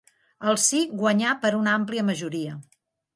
El sí guanyà per una àmplia majoria.